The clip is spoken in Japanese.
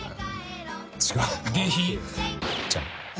「違う」